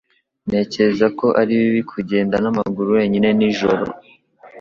Ntekereza ko ari bibi kugenda n'amaguru wenyine nijoro